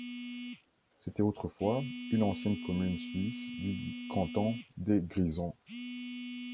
C'était autrefois une ancienne commune suisse du canton des Grisons.